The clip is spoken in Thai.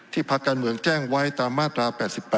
ภาคการเมืองแจ้งไว้ตามมาตรา๘๘